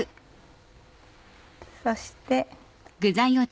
そして。